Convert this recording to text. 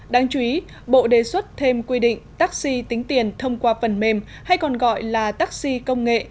đặc biệt taxi tính tiền thông qua phần mềm hay còn gọi là taxi công nghệ